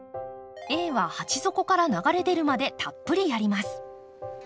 Ａは鉢底から流れ出るまでたっぷりやります。